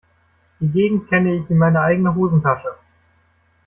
Die Gegend kenne ich wie meine eigene Hosentasche.